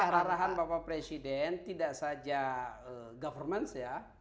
kalau arahan bapak presiden tidak saja government ya